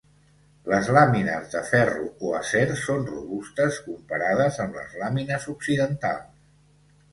Les làmines de ferro o acer són robustes comparades amb les làmines occidentals.